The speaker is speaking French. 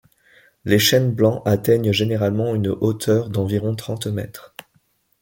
Les chênes blancs atteignent généralement une hauteur d'environ trente mètres.